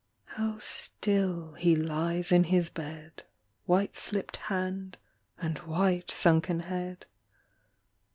how still he lies In his bed, White slipped hand and white Sunken head.